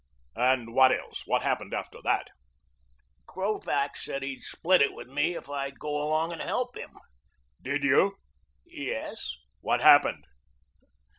"And what else? What happened after that?" "Krovac said he'd split it with me if I'd go along and help him." "Did you?" "Yes." "What happened?"